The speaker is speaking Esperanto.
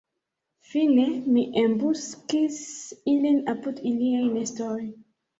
Fine, mi embuskis ilin apud iliaj nestoj.